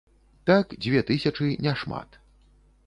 Так дзве тысячы не шмат.